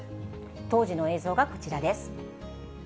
当時の映像がこちらです。